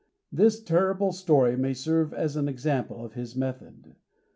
This terrible story may serve as an example of his method.